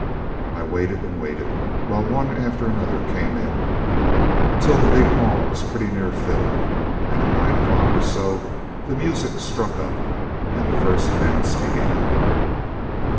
I waited and waited while one after another came in, till the big hall was pretty near filled, and at nine o'clock or so the music struck up, and the first dance began.